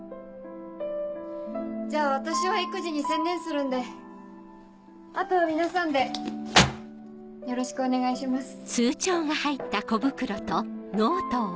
じゃあ私は育児に専念するんであとは皆さんでよろしくお願いします。